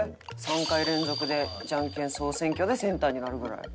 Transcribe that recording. ３回連続でじゃんけん総選挙でセンターになるぐらい。